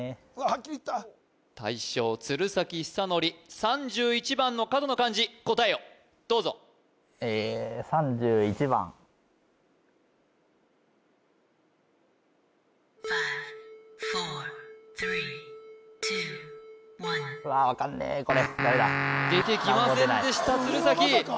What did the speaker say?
ハッキリ言った大将鶴崎修功３１番の角の漢字答えをどうぞえーわー分かんねえこれダメだ出てきませんでした鶴崎